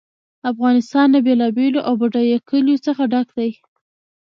افغانستان له بېلابېلو او بډایه کلیو څخه ډک دی.